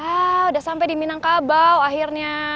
ah udah sampai di minangkabau akhirnya